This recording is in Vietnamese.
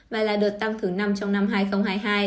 và là đợt tăng thứ năm trong năm hai nghìn hai mươi hai